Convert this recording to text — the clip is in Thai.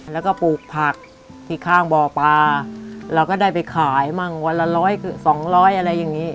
แล้วก็ปลูกผักที่ข้างบ่อปลาเราก็ได้ไปขายมั่งวันละร้อยสองร้อยอะไรอย่างนี้